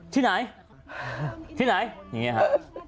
ที่ไหนที่ไหนอย่างนี้ครับ